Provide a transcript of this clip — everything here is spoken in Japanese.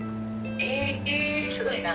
えすごいな。